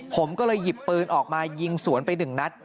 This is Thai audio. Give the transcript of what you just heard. ผมก็เลยหยิบปืนออกมายิงสวนไปหนึ่งนัด